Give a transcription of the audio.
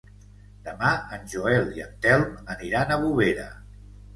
Demà en Joel i en Telm aniran a Bovera.